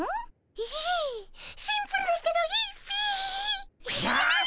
いいシンプルだけどいいっピィ。よし！